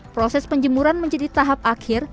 proses penjemuran menjadi tahap akhir